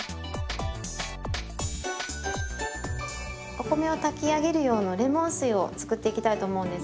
お米を炊き上げる用のレモン水を作っていきたいと思うんですけども。